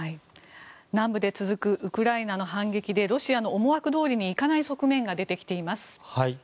南部で続くウクライナの反撃でロシアの思惑どおりにいかない側面が出てきています。